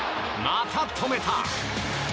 また止めた！